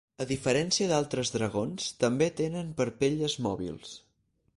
A diferència d'altres dragons, també tenen parpelles mòbils.